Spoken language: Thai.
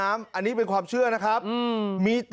มีปากไหมด้วยลองกัน